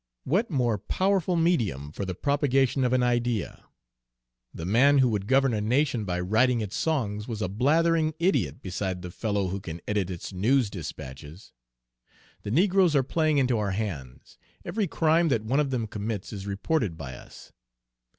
What more powerful medium for the propagation of an idea? The man who would govern a nation by writing its songs was a blethering idiot beside the fellow who can edit its news dispatches. The negroes are playing into our hands, every crime that one of them commits is reported by us.